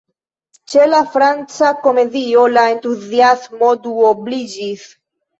Ĉe la Franca Komedio, la entuziasmo duobliĝis.